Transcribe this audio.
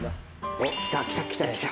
おっ来た来た来た来た。